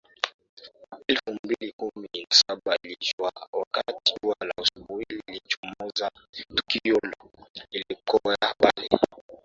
elfu mbili kumi na saba iliisha wakati jua la asubuhi linachomoza Tukio lililotokea pale